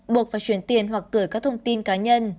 buộc phải chuyển tiền hoặc gửi các thông tin cá nhân